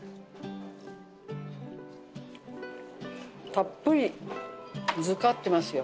たっぷり漬かってますよ。